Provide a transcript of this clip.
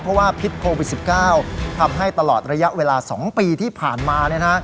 เพราะว่าพิษโควิด๑๙ทำให้ตลอดระยะเวลา๒ปีที่ผ่านมา